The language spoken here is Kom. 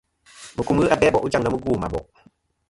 Mùkum ghɨ abe a bò' ghɨ jaŋ na mugwo mɨ a bò'.